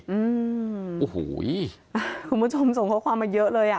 คุณผู้ชมส่งข้อความมาเยอะเลย